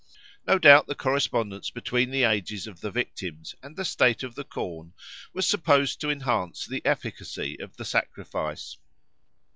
No doubt the correspondence between the ages of the victims and the state of the corn was supposed to enhance the efficacy of the sacrifice.